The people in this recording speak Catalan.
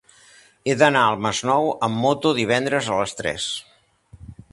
He d'anar al Masnou amb moto divendres a les tres.